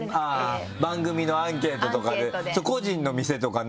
番組のアンケートとかで個人の店とかになるもんね